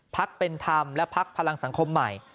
เป็นธรรมและพักพลังสังคมใหม่